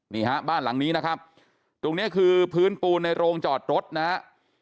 นี่ฮะบ้านหลังนี้นะครับตรงนี้คือพื้นปูนในโรงจอดรถนะฮะ